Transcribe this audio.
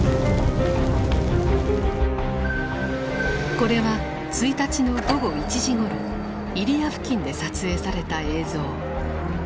これは１日の午後１時ごろ入谷付近で撮影された映像。